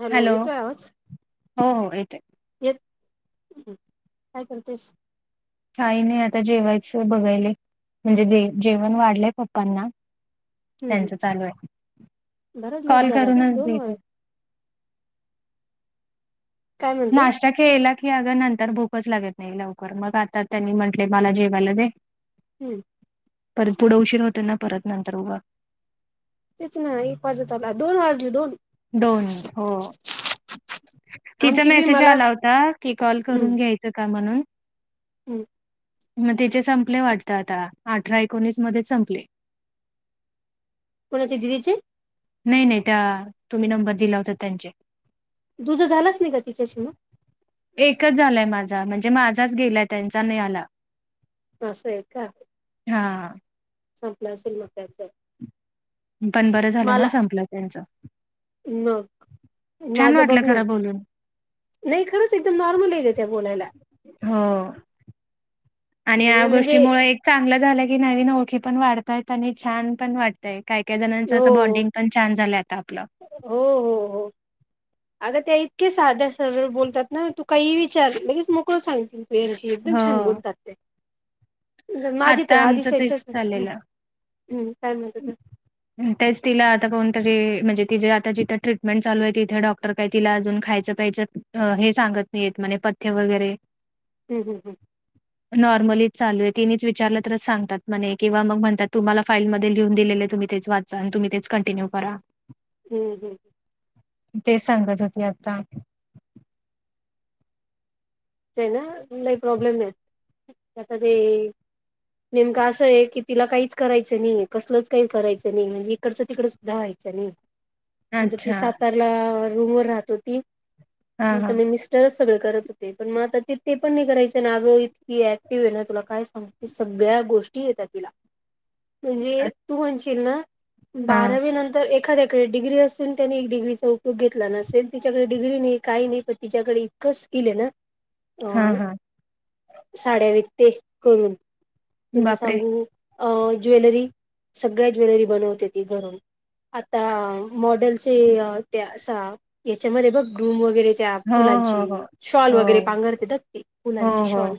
Hello येेतोय आवाज हो हो येतोय येत काय करतेस काही नाही आता जेवायचं बघायले म्हणजे जेवण वाढलेय फक्त पप्पांना हम्म हम्म त्यांच चालू आहे बराच लेट कॉल झाला का करूनच दोन भट वाज काय म्हणते नाश्ता केला की अगं नंतर भूकच लागत नाही लवकर मग आता त्यांनी म्हटले मला जेवायला दे. [inaudible] हम्म परत पुढे उशीर होते ना परत नंतर उघ तेच ना एक वाजत ला दोन वाजले दोन दोन हो तिचा आमची बी मेसेज मला आला होता की कॉल करून घ्याय घ्यायचं का म्हणून हम्म मग तिचे संपले वाटत आता अठरा एकोणीस मध्येच संपले. कोणाचे दिदीचे नाही नाही त्या तुम्ही नंबर दिला होता त्यांचे. तुझं झालाच नाही का तिच्याशी मग एकच झालाय माझा म्हणजे माझाच गेलाय त्यांचा नाही आला. असं आहे का हा संपलं असेल मग त्याच पण बरं झालं ना मला संपलं त्यांच मग छान वाटलं खरं बोलून. नाय खरंच एकदम नॉर्मल आय गं त्या बोलायला. हो. आणि या म्हणजे गोष्टीमुळ एक चांगलं झालं की नवीन ओळखी पण वाढतायत आणि छान पण वाट तय. काय काय जणांचं हो असं बॉन्डिंग पण छान झालंय आता आपलं. हो हो हो. [inaudible] अगं त्या इतक्या साध्या सरळ बोलतात ना तू काहीही विचार लगेच मोकळ सांगतील. एकदम छान हो. बोलतात त्या जर माझी तर आता आधी आमचं तेच त्यांच्या चाललेलं. हम्म काय म्हणत होत्या? तेच तिला आता कोणतरी म्हणजे तिजे आता जिथं ट्रीटमेंट चालूआय तिथे डॉक क्टर काय तिला अजून खायचं पियाचं हे सांगत नाहीयेत म्हणे पथ्य वगैरे. हम् हम् हम्. नॉर्मलीच चालूए तिनच विचारलं तरच सगतात म्हने किंवा मग म्हणतात तुम्हाला फाईल लिहून दिलेलं तुम्ही तेच वाचा आणि तुम्ही तेच कंटिन्यू करा. हम्म हम्म. तेच सांगत होती आत्ता. ते ना लय प्रॉब्लेम एत त्या कधी नेमकं असंय की तिला काहीच करायचं नाई कसलंच काही करायचं नाई म्हणजे इकडचं तिकडच व्हायचं नाई. म्हणजे ती अच्छा सातारला रूम वर राहत होती. म हा आता हा मि मिस स्टर सगळ करत होते. पण म आता ती ते पण नाय करायचं ना अगं इतकी ऍक्टिव्ह ए ना तुला काय सांगू सगळ्या गोष्टी येतात तिला. [inaudible] म्हणजे तू म्हणशील ना हा बारावी नंतर एखाद्या डिग्री असून त्यानी एक डिग्रीचा उपयोग घेतला नसेल तिच्याकडे डिग्री नाई काय नाई पण तिच्याकडे कस कीले ना? हा अ हा. साड्या विकते करून तुला बापरे सांगू अ ज्वेलरी सगळ्या ज्वेलरी बनवते ती घरून. आता मॉडेलचे ते असा याच्यामध्ये बघ ग्रूम वगैरे त्या हो हो फुलांची शॉल हो वगैरे पांघरतेतात हो हो फुलांची हो शॉल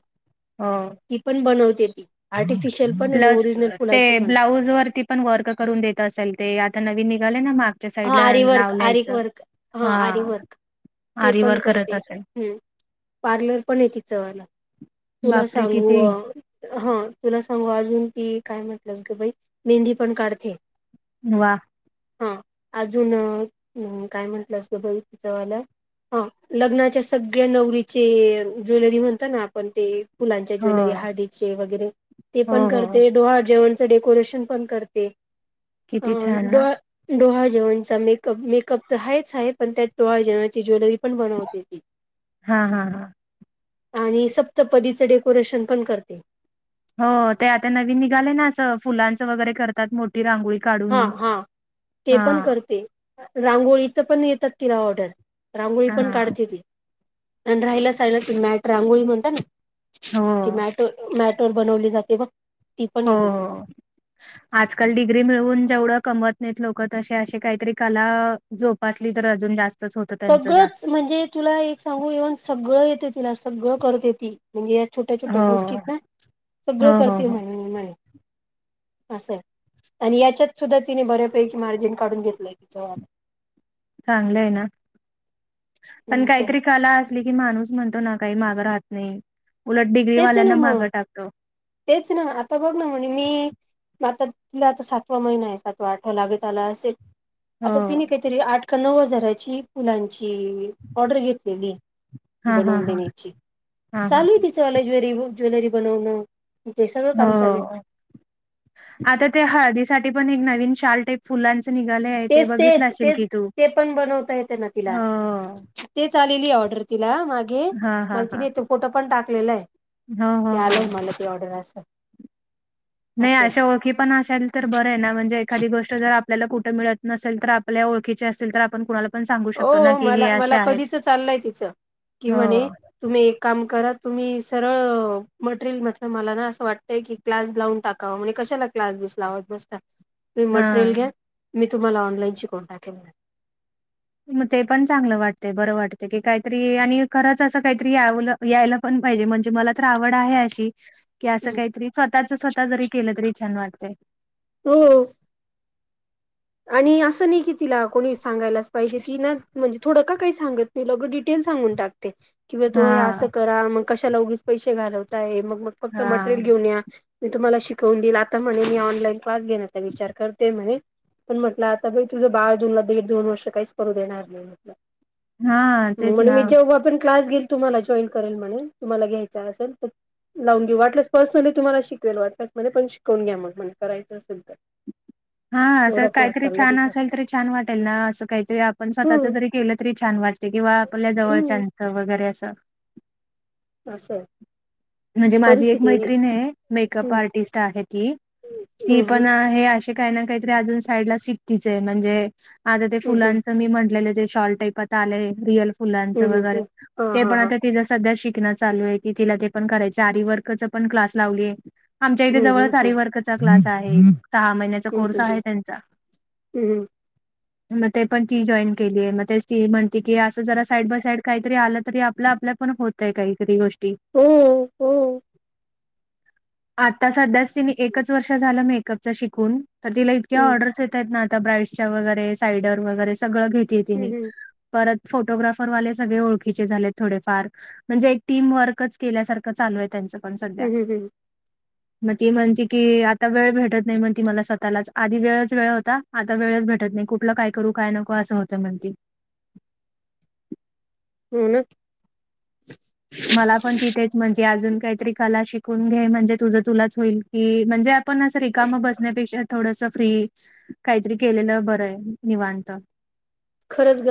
हो ती पण बनवते ती आर्टिफिशियल पण आणि ओरिजिनल फुलांची पण. उजवारती पण वर्क करून देत असेल ते आता नवीन निघाले ना मा हा आरे वर्क आरे वर्क हा आरे वर्क. ते पण आरीवर करत करते असेल पार्लर पण ए तिच वाला. तुला बापरे सांगू किती हा तुला सांगू अजून ती काय म्हटलंस ग बाई मेहंदी पण काढते. वा. हा अजून काय म्हटलं असतं बाई तीचा वाल हा लग्नाच्या सगळ्या नवरीचे ज्वेलरी म्हणतात ना आपण ते फुलांच्या हो ज्वेलरी हळदीचे वगैरे ते हो पण हो करते. डोहाळ जेवण च डेकोरेशन पण करते. किती छान ना. डोहाळे.. जेवणचा मेकअप मेकअप तर आहेच आहे पण त्यात डोहाळे जेवणाची ज्वेलरी पण बनवते ती. हा हा हा आणि सप्तपदीचं डेकोरेशन पण करते. हो ते आता नवीन निघाले ना अस फुलाच वगैरे करत.. तात मोठी रांगोळी काढून. हा हा ते हा पण करते. रांगोळीच पण येतात तिला ऑर्डर रांगोळी पण हा काढते ती. आणि राहिल साहिल ती मॅट रांगोळी म्हणत ना हो ती मॅट. मॅट वर बनवली जाते बग. ती पण हो येते. हो आजकाल डिग्री मिळवून जेवढ कमवत नाहीत लोक तसे असशी काहीतरी कला जोपासली तर अजून जास्त होतं त्यांचं सगळच म्हणजे तुला एक सांगू इव्हन सगळ येते तुला सगळ करते ती. म्हणजे या छोट्या छोट्या हो गोष्टीत ना सगळ हो हो करतील हो म्हणमाणे. असय. आणि याच्यात सुद्धा तिने बऱ्यापैकी मार्जिन काढुन घेतलय. तिच वाल. चांगल आहे ना पण असं आहे. काहीतरी. कला असली की माणूस म्हणतो ना काही माग राहत नाही उलट डिग्री तेच ना वाल्यांना मग माग टाकतो. तेच ना आता बघ ना म्हणे मी, आता तिला आता सातवा महिना आहे सातवा आठवा लागत आला असेल. हो आता तिने काहीतरी आठ का नऊ हजाराची फुलांची ऑर्डर घेतली हा हा बनून हा देण्याची. हा हा चालू [unintelligible] ज्वेलरी बनवण हो. आता त्या हळदीसाठी पण एक नवीन शाल टाईप फुला तेच तेच तेच ते पण बनवता येते ना तिला, हो तेच आलेली आहे ऑर्डर तिला मागे हा हा मला तिने तो फोटो पण टाकलेला आहे. हा ह ते ह आलंय मला त्या ऑर्डर असता. नाही अशा ओळखी पण असायला तर बर आहे ना म्हणजे एखादी गोष्ट जर आपल्याला कुठ मिळत नसेल तर आपल्या ओळखीची असेल तर आपण कुणाला पण सांगू हो शकतो ना, हो. की हे मला- असे मला आहेत. कधीच चाललंय तिच कि हो, म्हणे, तुम्ही एक काम करा तुम्ही सरळ मटेरियल म्हटल मला ना अस वाटतय की, क्लास लावून टाकावा म्हणे कशाला क्लास बिस लावत बसता. तुम्ही मटेरियल घ्या हां. मी तुम्हाला ऑनलाईन शिकवून टाकेन. मग ते पण चांगल वाटते बर वाटते की काहीतरी आणि खरच अस काहीतरी यावल.. यायला पण पाहिजे म्हणजे मला तर आवड आहे अशी कि अस काहीतरी स्वतःच स्वतः जरी केल तरी छान वाटत. हो आणि अस नाही की तिला कोणी सांगायलाच पाहिजे ती ना म्हणजे थोड का काही सांगत त ल डिटेल सांगून टाकते कि ब तू हे अस हां, करा मग कशाला उघीच पैसे घालवताय मग मग फक्त हां, मटेरियल घेऊन या. मी तुम्हाला शिकवून दिईल आता म्हणे मी ऑनलाईन क्लास घेण्याचा विचार करते म्हणे. पण म्हटल आता बाई तुझ बाळ तुला दीड -दोन वर्ष काहीच करू देणार नाही म्हटल. हां, तेच म्हण ना. मी जेव्हा पण क्लास घेईल तुम्हाला जॉईन करेल म्हणे तुम्हाला घ्यायचा असेल तर, लावून घेऊ वाटल्यास पर्सनली तुम्हाला शिकवेल वाटल्यास मध्ये पण शिकवून घ्या मग म्ह करायच असेल तर, हा अस एवढा कोर्स काहीतरी चालला छान तिचा असेल तरी छान वाटेल ना अस काहीतरी आपण स्वतःच हम्म जरी केल तरी छान वाटे किंवा आपल्या हम्म. जवळच्याचं वगैरे असं. असं. म्हणजे माझी एक परिस्थिती मैत्रिणे. मेकअप हम्म आर्टिस्ट आहे ती. ती हम्म पण आहे. काय ना काहीतरीज साडला शिकतीचे. म्हणजे आता ते हम्म हम्म फुलांन मी म्हटलेले जे शॉलटाईप आता आलय. रियल फुलांच हम्म हम्म वगैरे. हम्म हा ते हा पण हा आता तिच सध्या शिकण चालूये की तिला ते पण करायच. आरी वर्कच पण क्लास लावली. आमच्या इथे हम्म जवळ हम्म आरी हम्म वर्कचा क्लास आहे. सहा महिन्याचा हम्म कोर्स आहे हम्म त्यांचा. हम्म हम्म. [inaudible] मग ते पण ती जॉईन केलीये. मग ते ती म्हणते की असं जरा साईड बाय साईड काहीतरी आलं तरी आपलं आपल्या पण होत तय. काहीतरी गोष्टी. हो हो. आता सध्याच तिने एकच वर्ष झालं मेकअपच शिकून. तर तिला इतक्या हम्म ऑर्डरस येतायेत ना आता. ब्राईटच्या वगैरे, साईडर वगैरे सगळं घेते तिनी. हम्म हम्म परत फोटोग्राफरवाले सगळे ओळखीचे झाले थोडेफार. म्हणजे एक टीम वर्कच केल्यासारखं चालूये. त्यांचं पण सध्या. हम्म हम्म हम्म मग ती म्हणते की आता वेळ भेटत नाही म्हणती मला स्वतःलाच. आधी वेळच वेळ होता. आता वेळच भेटत नाही. कुठलं काय करू? काय नको असं होतं म्हणती. हो ना. मला पण ती तेच म्हणते. अजून काहीतरी कला शिकून घे. म्हणजे तुझं तुलाच होईल की. म्हणजे पण असं रिकाम बसण्यापेक्षा, थोडस फ्री काहीतरी केलेलं बरंय. निवांत. खरंच ग.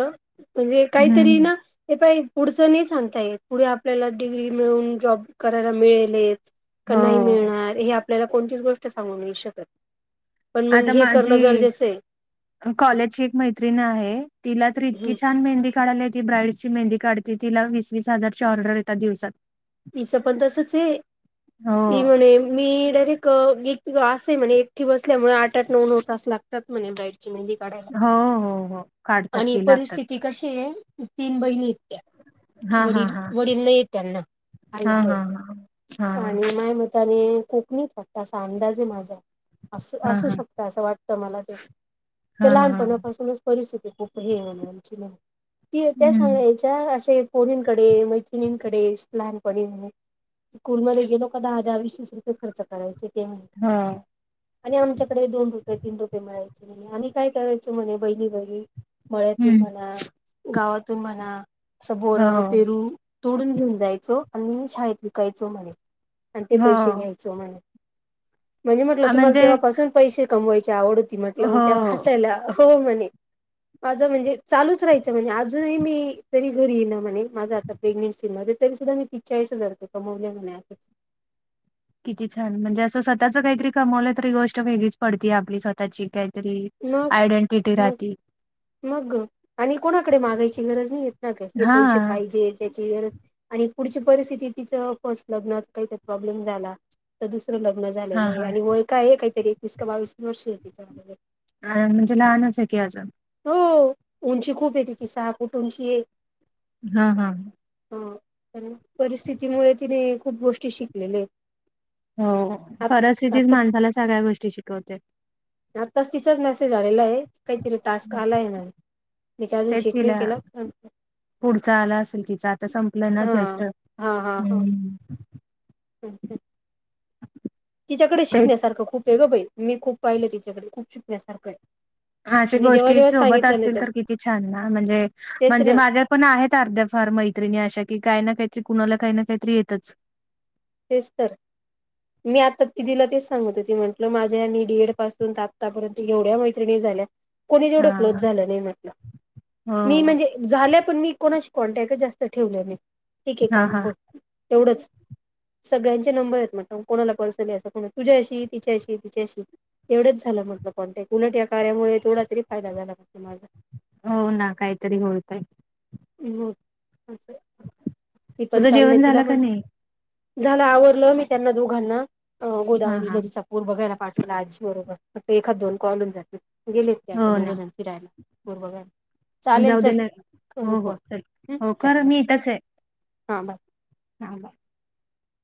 म्हणजे काहीतरी हम्म. ना हे पाई पुढचं नाही सांगता येत. पुढे आपल्याला डिग्री मिळून जॉब करायला मिळेलेत. का हो नाही मिळणार? हे आपल्याला कोणतीच गोष्ट सांगू नाही शकत. पण मग आता हे करणं माझी गरजेचंय. कॉलेजची एक मैत्रिणी आहे. तिला तर इतकी हम्म छान मेहंदी काढाला येते. ब्राडची मेंदी काढते. तिला वीस वीस हजारची ऑर्डर येतात दिवसात. तीचं पण तसचे. हो ती म्हणे मी डायरेक्ट असय म्हणे. एकटे बसल्यामुळे आठ आठ नऊ नऊ तास लागतात म्हणे बाईट [unintelligible] काढाय. हो हो हो काढतात आणि की लागतात परस्थि कशीये. तीन बहिणी येत त्या. हां हां वडील हां. वडील नाहीये त्यांना. आई हां हाये. हां हां. हां आणि माय म त्याने कोकणीत वाटत. असा अंदाजे माझा. अस हां असू हां शकत असं वाटतं मला ते. ते हां हां लहानपणापासूनच परिस्थिती खूप हे म्हण आमची वाली. ती त्या हम्म सांगायच्या असे पोरीनकडे मैत्रिणींकडे. लहानपणी म्हणे. स्कूल मध्ये गेलो का दाहा दाहा विस विस कीती खर्च करायचे ते म्हणे. हो आणि आमच्याकडे दोन रुपये तीन रुपये मिळायचे म्हणे. आम्ही काय करायचो म्हणे बहिणी बहीणी मळ्यातून हम्म म्हणा, गावातून म्हणा, असं हो बोरं पेरू तोडून घेऊन जायचो. आणि शाळेत विकायचो म्हणे. आणि ते हो पैसे घ्याय चो म्हणे. म्हणजे म्हटलं हां, तुम्हाला म्हणजे तेव्हापासून पैसे कमवायची आवड होती. म्हटलं त्या हो हसायला हो म्हणे. माझं म्हणजे चालूच राहायचं म्हणी. अजूनही मी जरी घरी ये ना म्हणे. माझं आता प्रेग्नेन्सी मध्ये तरी सुद्धा मी तीेस चाळीस हजार रुपये कमवले म्हणे. [unintelligible] किती छान, म्हणजे असं स्वतःच काहीतरी कमवलं तरी गोष्ट वेगळीच पडतीय आपली स्वतःची का तरी. मग आयडेंटिटी मग राहती. मग, आणि कोणाकडे मागायची गरज नाही येत ना गं, हे हा पैसे पाहिजे त्याची गरज आणि पुढची परिस्थिती तिचं फस्ट लग्नात काहीतरी प्रॉब्लेम झाला. तर दुसरं लग्न हा झालेलं आहे, आणि वय का आहे, काहीतरी एकवीस का बावीस वर्ष आहे तिचे अ म्हणजे लहानच आहे की अजून. हो उंची खूप आहे तिची सहा फूट उंची आहे. हा हा ह परिस्थितीमुळे तिने खूप गोष्टी शिकलेल्या आहेत. हो आ परस्थितीतीचं आता माणसाला सगळ्या गोष्टी शिकवते. आताच तिचाच मेसेज आलेला आहे काहीतरी टास्क हं. आलाय मी काय अजून तेच चेक नाही तिला केलं पुढचा आला असेल तिचा आता संपलं ना हा जस्ट हा हा हम्म. [inaudible] तिच्याकडे ते शिकण्यासारखं खूप आहे गं बाई मी खूप पाहिलं तिच्याकडे खूप शिकण्यासारखं हाय अशा गोष्टी सोबत असतील तर किती छान ना म्हणजे तेच म्हणजे ना माझ्या त पण आहेत अर्ध्या फार मैत्रिणी अशा की काही ना काहीतरी कुणाला काही ना काहीतरी येतच. तेच तर. मी आता दीदीला तेच सांगत होती म्हटलं माझ्या मी डी एड पासून तर आत्तापर्यंत एवढ्या मैत्रिणी झाल्यात कोणीचं एवढं हा क्लोज झालं नाही म्हटलं मी हो म्हणजे झाल्या पण मी कोणाशी कॉन्टॅक्टचं जास्त ठेवले नाही ठीक आहे हा काम हा ब एवढंच. सगळ्यांचे नंबर आहेत म्हंटलं कोणाला पर्सनली अस को तुझ्याशी, तिच्याशी, तिच्याशी. तेवढंच झालं म्हटलं कॉन्टेक्ट उलट या कार्यामुळे तेवढा तरी फायदा झाला माझा. हो ना काहीतरी होतय. हो अस ती पण तुझं चाल्ले जेवण [inaudible] तिला झालं का नाही? म्हट झालं आवरलं मी त्यांना दोघांना हा गोदावरी हा नदीचा पुर बघायला पाठवलं आजी बरोबर फक्त एखाद दोन कॉल होऊन जातील गेलेत ते आता हो ना दोघंजण. फिरायला पूर बघायला चालेल जाऊ चल देणार करू हो पण हो चल हो करा मी इथच हाय. हां बाय हा बाय.